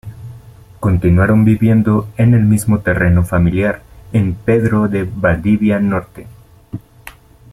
Continuaron viviendo en el mismo terreno familiar en Pedro de Valdivia Norte.